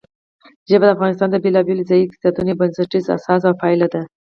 ژبې د افغانستان د بېلابېلو ځایي اقتصادونو یو بنسټیزه اساس او پایایه ده.